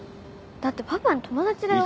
だってパパの友達だよ？